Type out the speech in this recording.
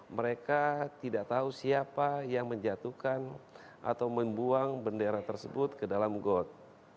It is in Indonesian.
mereka tidak tahu siapa yang menjatuhkan atau membuang bendera tersebut ke dalam got